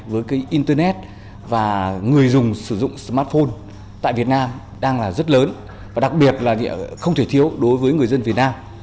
với cái internet và người dùng sử dụng smartphone tại việt nam đang là rất lớn và đặc biệt là không thể thiếu đối với người dân việt nam